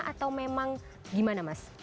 atau memang gimana mas